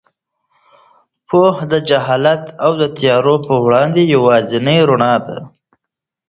پوهه د جهالت او تیارو په وړاندې یوازینۍ رڼا ده.